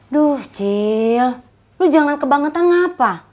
duh cil lo jangan kebangetan ngapa